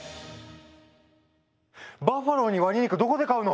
バッファローにワニ肉どこで買うの⁉